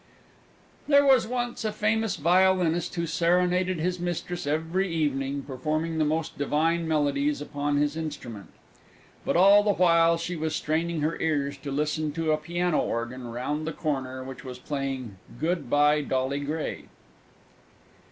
There was once a famous Violinist who serenaded his Mistress every evening, performing the most divine melodies upon his instrument. But all the while she was straining her ears to listen to a piano organ round the corner which was playing "Good bye, Dolly Gray!"